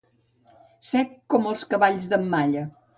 Sec com els cavalls d'en Malla.